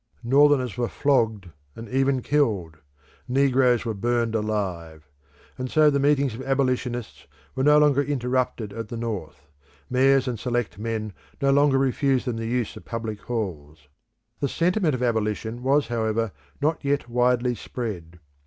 Northerners were flogged and even killed. Negroes were burnt alive. And so the meetings of abolitionists were no longer interrupted at the North; mayors and select men no longer refused them the use of public halls. The sentiment of abolition was however not yet widely spread.